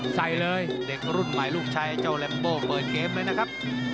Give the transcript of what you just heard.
ใส่เลยเด็กรุ่นใหม่ลูกชายเจ้าแรมโบเปิดเกมเลยนะครับ